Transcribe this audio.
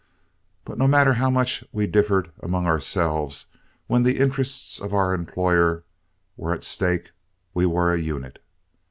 But no matter how much we differed among ourselves, when the interests of our employer were at stake, we were a unit.